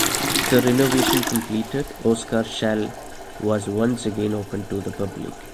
The renovation completed, Oscarshall was once again open to the public.